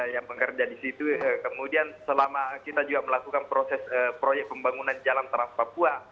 yang bekerja di situ kemudian selama kita juga melakukan proses proyek pembangunan jalan trans papua